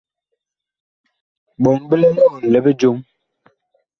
Bɔɔn bi lɛ liɔl li bijoŋ.